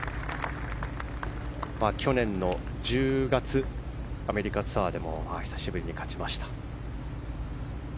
去年の１０月アメリカツアーでも久しぶりに勝ちました。